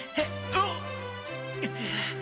あっ！